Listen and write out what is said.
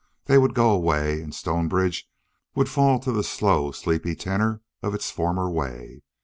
They would go away, and Stonebridge would fall to the slow, sleepy tenor of its former way.